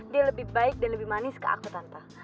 dia lebih baik dan lebih manis ke aku tante